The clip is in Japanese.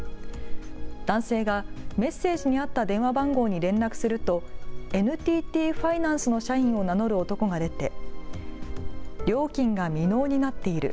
男性がメッセージにあった電話番号に連絡するとＮＴＴファイナンスの社員を名乗る男が出て料金が未納になっている。